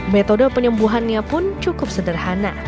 metode penyembuhannya pun cukup sederhana